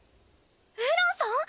エランさん？